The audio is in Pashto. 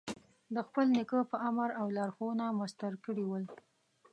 د خپل نیکه په امر او لارښوونه مسطر کړي ول.